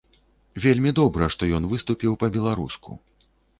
Вельмі добра, што ён выступіў па-беларуску.